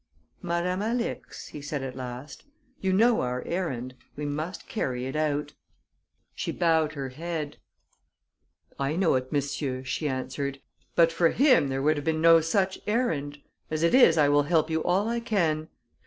"Madame Alix," he said, at last, "you know our errand we must carry it out." She bowed her head. "I know it, monsieur," she answered. "But for him, there would have been no such errand. As it is, I will help you all I can.